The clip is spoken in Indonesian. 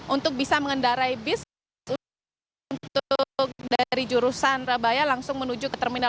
untuk bisa mengendarai bis untuk dari jurusan rabaya langsung menuju ke terminal